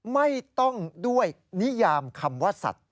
ไม่ต้องด้วยนิยามคำว่าสัตว